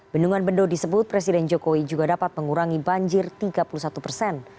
bendungan bendoh disebut presiden joko widodo juga dapat mengurangi banjir tiga puluh satu persen